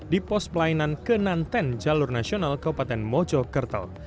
di pos pelayanan kenanten jalur nasional kabupaten mojokerto